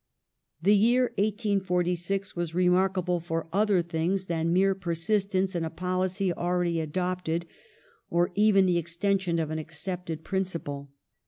^ The year 1846 was remarkable for other things than mere persistence in a policy already adopted, or even the extension of an accepted principle.